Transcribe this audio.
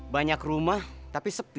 banyak rumah tapi sepi